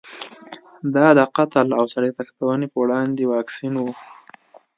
دا د قتل او سړي تښتونې په وړاندې واکسین و.